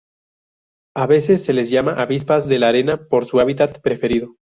A veces se las llama avispas de la arena por su hábitat preferido.